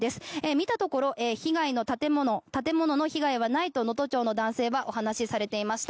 見たところ建物の被害はないと能登町の男性はお話しされていました。